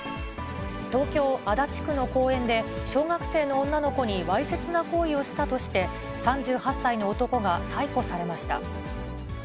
東京・足立区の公園で、小学生の女の子にわいせつな行為をしたとして、３８歳の男が逮捕されました。